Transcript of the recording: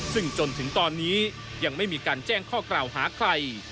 ซึ่งจนถึงตอนนี้ยังไม่มีการแจ้งข้อกล่าวหาใคร